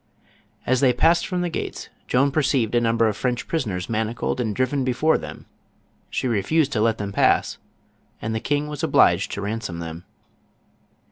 As they passed from the gates, Joan perceived a num ber of French prisoners manacled and driven before them. She refused to let them pass and the king was obliged to ransom them.